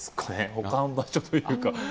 保管場所というか。